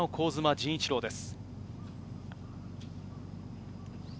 陣一朗です。